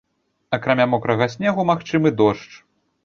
Акрамя мокрага снегу магчымы дождж.